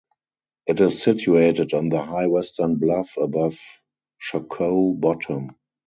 It is situated on the high western bluff above Shockoe Bottom.